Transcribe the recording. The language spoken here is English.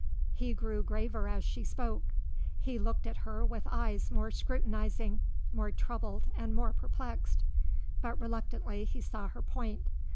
He grew graver as she spoke. He looked at her with eyes more scrutinizing, more troubled and more perplexed. But, reluctantly, he saw her point.